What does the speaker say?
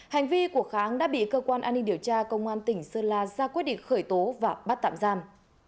hành vi của kháng đã bị cơ quan an ninh điều tra công an tỉnh sơn la ra quyết định khởi tố và bắt tạm giam